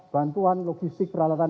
bantuan logistik peralatan